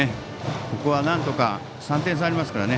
ここは、なんとか３点差ありますからね